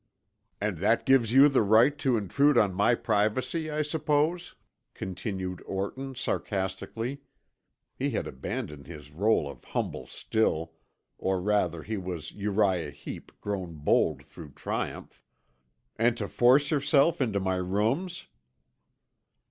"And that gives you the right to intrude on my privacy, I suppose?" continued Orton sarcastically (he had abandoned his rôle of "humble still," or rather he was Uriah Heep grown bold through triumph), "and to force yourself into my rooms?"